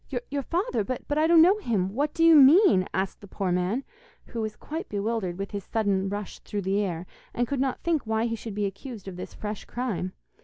'Your father? but I don't know him. What do you mean?' asked the poor man, who was quite bewildered with his sudden rush through the air, and could not think why he should be accused of this fresh crime.